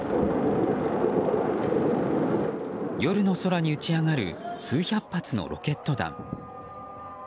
夜の空に打ち上がる数百発のロケット弾。